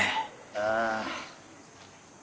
ああ。